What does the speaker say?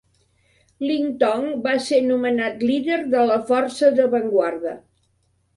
Ling Tong va ser nomenat líder de la força d'avantguarda.